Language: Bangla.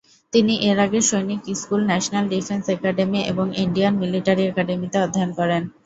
তিনি এর আগে Sainik School, National Defence Academy এবং ইন্ডিয়ান মিলিটারি একাডেমীতে অধ্যয়ন করেন।